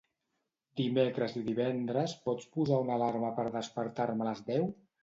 Dimecres i divendres pots posar una alarma per despertar-me a les deu?